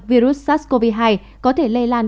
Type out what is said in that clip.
virus sars cov hai có thể lây lan